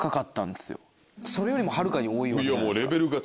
それよりもはるかに多いわけじゃないですか。